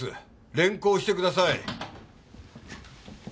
連行してください。